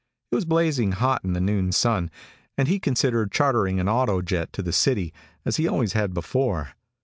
It was blazing hot in the noon sun, and he considered chartering an autojet to the city, as he always had before.